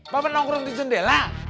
papa nongkrong di jendela